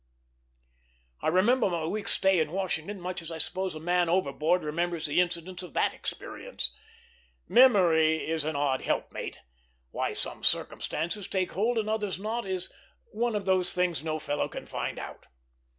I remember my week's stay in Washington much as I suppose a man overboard remembers the incidents of that experience. Memory is an odd helpmate; why some circumstances take hold and others not is "one of those things no fellow can find out."